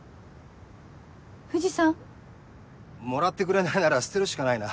藤さん？もらってくれないなら捨てるしかないな。